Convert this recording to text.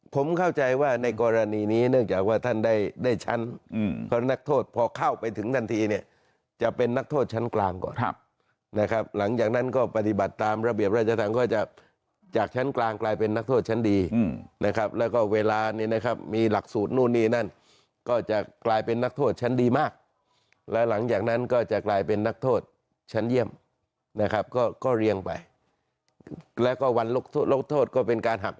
ผมเข้าใจว่าในกรณีนี้เนื่องจากว่าท่านได้ได้ชั้นเพราะนักโทษพอเข้าไปถึงทันทีเนี่ยจะเป็นนักโทษชั้นกลางก่อนนะครับหลังจากนั้นก็ปฏิบัติตามระเบียบราชธรรมก็จะจากชั้นกลางกลายเป็นนักโทษชั้นดีนะครับแล้วก็เวลานี้นะครับมีหลักสูตรนู่นนี่นั่นก็จะกลายเป็นนักโทษชั้นดีมากแล้วหลังจากนั้นก็จะกลายเป็นนักโทษชั้นเยี่ยมนะครับก็เรียงไปแล้วก็วันลดโทษก็เป็นการหัก